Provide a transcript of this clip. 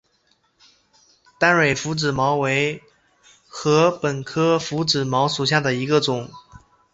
单蕊拂子茅为禾本科拂子茅属下的一个种。